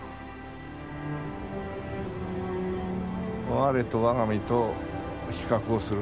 我と我が身と比較をする。